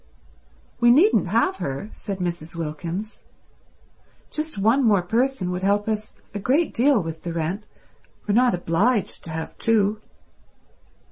"We needn't have her," said Mrs. Wilkins. "Just one more person would help us a great deal with the rent. We're not obliged to have two."